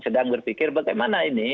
sedang berpikir bagaimana ini